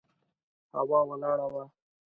هوا ولاړه وه.